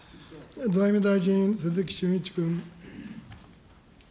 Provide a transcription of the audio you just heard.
財務大臣、鈴木俊一君。